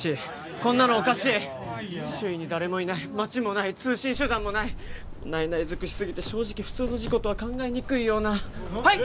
こんなのおかしい周囲に誰もいない街もない通信手段もないないない尽くしすぎて正直普通の事故とは考えにくいようなはい！